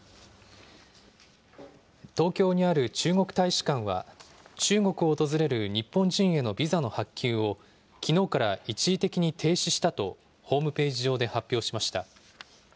東京にある中国大使館は、中国を訪れる日本人へのビザの発給をきのうから一時的に停止したと、ホームページ上で発表しました。